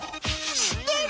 しってる！